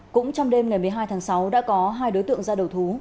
cũng trong đêm ngày một mươi hai tháng sáu đã có hai đối tượng ra đầu thú